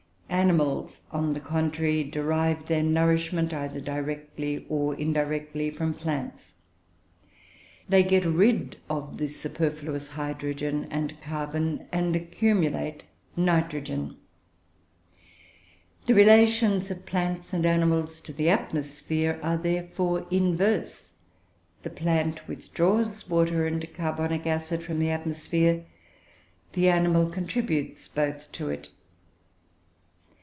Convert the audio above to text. Animals, on the contrary, derive their nourishment either directly or indirectly from plants. They get rid of the superfluous hydrogen and carbon, and accumulate nitrogen. The relations of plants and animals to the atmosphere are therefore inverse. The plant withdraws water and carbonic acid from the atmosphere, the animal contributes both to it.